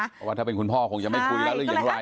เพราะว่าถ้าเป็นคุณพ่อคงจะไม่คุยแล้วหรืออย่างไร